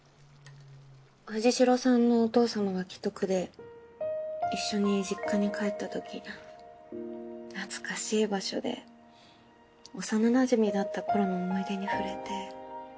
藤代さんのお父様が危篤で一緒に実家に帰ったとき懐かしい場所で幼なじみだったころの思い出に触れて。